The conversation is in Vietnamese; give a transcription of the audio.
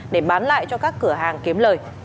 để bán lại cho các cửa hàng kiếm lời